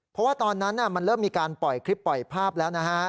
เพราะว่าตอนนั้นมันเริ่มมีการปล่อยคลิปปล่อยภาพแล้วนะฮะ